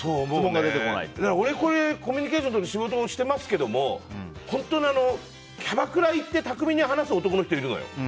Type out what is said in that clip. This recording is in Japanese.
俺、コミュニケーションを取る仕事をしてますけど本当にキャバクラ行って巧みに話す男の人いるのよ。